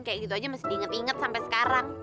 kayak gitu aja mesti diinget inget sampai sekarang